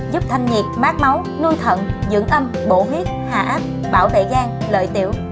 giúp thanh nhiệt mát máu nuôi thận dưỡng âm bổ huyết hạ áp bảo tệ gan lợi tiểu